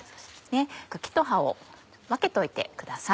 茎と葉を分けといてください。